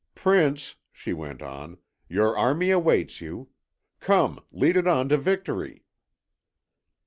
"Prince," she went on, "your army awaits you. Come, lead it on to victory."